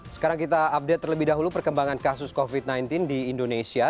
sekarang kita update terlebih dahulu perkembangan kasus covid sembilan belas di indonesia